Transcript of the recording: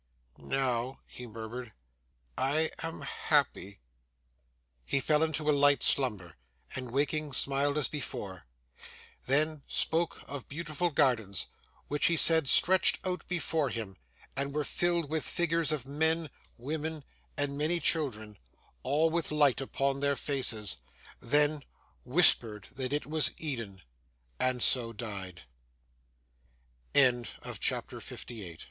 'Now,' he murmured, 'I am happy.' He fell into a light slumber, and waking smiled as before; then, spoke of beautiful gardens, which he said stretched out before him, and were filled with figures of men, women, and many children, all with light upon their faces; then, whispered that it was Eden and so